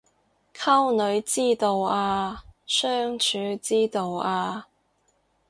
溝女之道啊相處之道啊